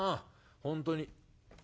本当に。